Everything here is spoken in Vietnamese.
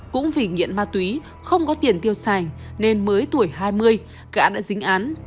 cũng vì nghiện ma túy không có tiền tiêu sài nên mới tuổi hai mươi gã đã dính án